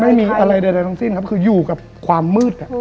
ไม่มีอะไรใดทั้งสิ้นครับคืออยู่กับความมืด